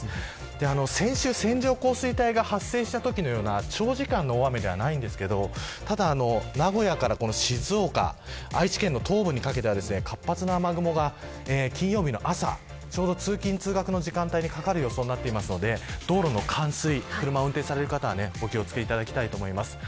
先週、線状降水帯が発生したときのような長時間の大雨ではありませんがただ名古屋から静岡愛知県の東部にかけては活発な雨雲が金曜日の朝、ちょうど通勤通学の時間帯にかかる予想なので道路の冠水車を運転される方はお気を付けいただきたいです。